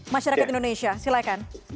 masyarakat indonesia silahkan